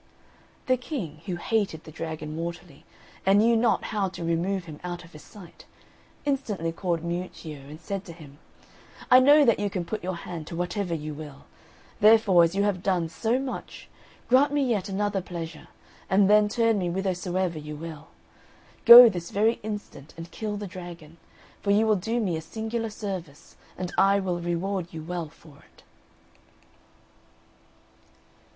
The King, who hated the dragon mortally, and knew not how to remove him out of his sight, instantly called Miuccio, and said to him, "I know that you can put your hand to whatever you will; therefore, as you have done so much, grant me yet another pleasure, and then turn me whithersoever you will. Go this very instant and kill the dragon; for you will do me a singular service, and I will reward you well for it."